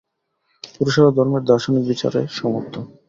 পুরুষেরা ধর্মের দার্শনিক বিচারে সমর্থ।